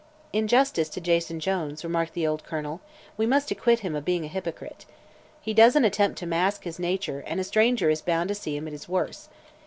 "In justice to Jason Jones," remarked the old Colonel, "we must acquit him of being a hypocrite. He doesn't attempt to mask his nature and a stranger is bound to see him at his worst.